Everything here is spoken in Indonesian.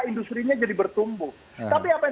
industrinya jadi bertumbuh tapi apa yang